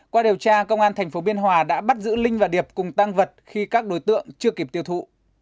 qua điều tra công an tp biên hòa đã bắt giữ linh và điệp cùng tăng vật khi các đối tượng chưa kịp tiêu thụ